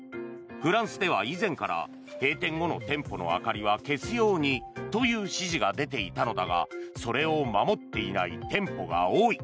フランスでは以前から閉店後の店舗の明かりは消すようにという指示が出ていたのだがそれを守っていない店舗が多い。